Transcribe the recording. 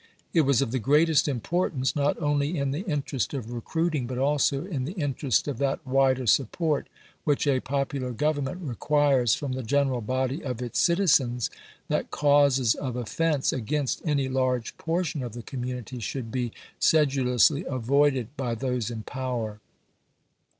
It was of the greatest importance, not only in the interest of recruiting, but also in the interest of that wider support which a pop ular Grovernment requires from the general body of its citizens, that causes of offense against any large portion of the community should be sedu lously avoided by those in power.